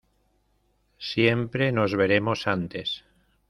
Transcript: siempre nos veremos antes.